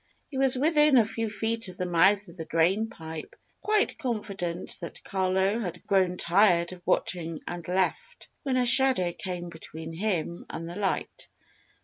He was within a few feet of the mouth of the drain pipe, quite confident that Carlo had grown tired of watching and left, when a shadow came between him and the light.